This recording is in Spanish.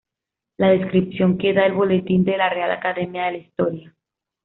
La descripción que da el Boletín de la Real Academia de la Historia.